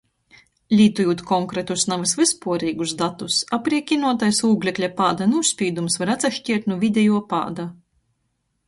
Lītojūt konkretus, navys vyspuoreigus datus, apriekinuotais ūglekļa pāda nūspīdums var atsaškiert nu videjuo pāda.